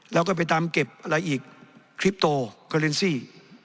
แล้วก็ไปตามเก็บอะไรอีกคลิปโตเลนซี่